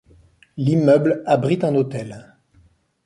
L'immeuble abrite un hôtel.